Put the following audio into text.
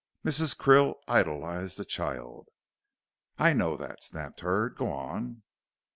Mrs. Krill idolized the child." "I know that," snapped Hurd. "Go on."